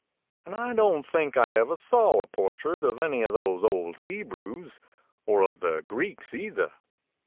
And I don't think I ever saw a portrait of any of those old Hebrews, or of the Greeks either.